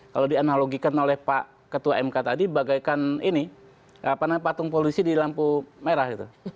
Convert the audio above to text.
kalau dianalogikan oleh pak ketua mk tadi bagaikan ini patung polisi di lampu merah gitu